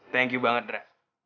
thank you banget ndra